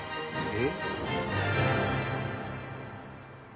「えっ？」